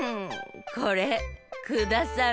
これくださる？